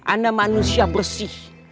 ana manusia bersih